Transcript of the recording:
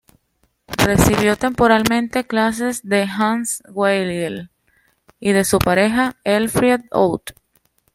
Recibió temporalmente clases de "Hans Weigel" y de su pareja "Elfriede Ott".